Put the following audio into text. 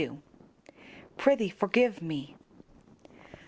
"Prithee, forgive me!"